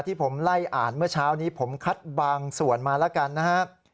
ที่ผมไล่อ่านเมื่อเช้านี้ผมคัดบางส่วนมาแล้วกันนะครับ